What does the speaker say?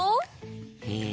え？